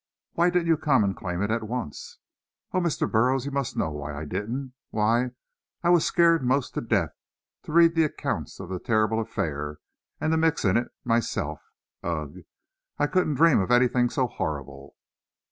"Why didn't you come and claim it at once?" "Oh, Mr. Burroughs, you must know why I didn't! Why, I was scared 'most to death to read the accounts of the terrible affair; and to mix in it, myself ugh! I couldn't dream of anything so horrible."